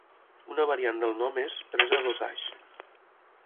Una variant del nom és "presa d'Osage".